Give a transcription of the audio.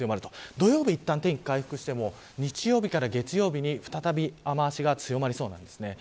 土曜日いったん天気が回復しても日曜日から月曜日に再び雨脚が強まりそうです。